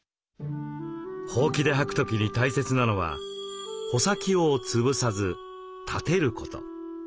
ほうきではく時に大切なのは穂先を潰さず立てること。